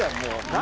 何？